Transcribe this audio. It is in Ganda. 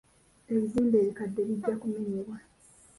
Ebizimbe ebikadde bijja kumenyebwa.